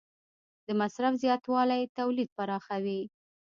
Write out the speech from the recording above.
د مصرف زیاتوالی تولید پراخوي.